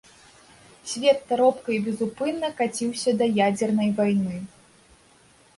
Свет таропка і безупынна каціўся да ядзернай вайны.